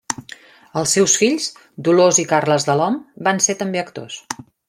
Els seus fills, Dolors i Carles Delhom, van ser també actors.